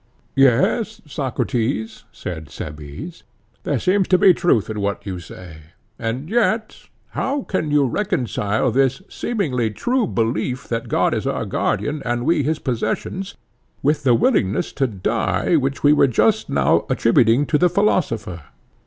Yes, Socrates, said Cebes, there seems to be truth in what you say. And yet how can you reconcile this seemingly true belief that God is our guardian and we his possessions, with the willingness to die which we were just now attributing to the philosopher?